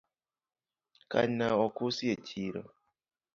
Kanyna ok usi echiro